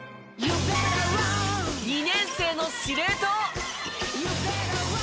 ２年生の司令塔。